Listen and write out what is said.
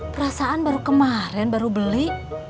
perasaan baru kemarin baru beli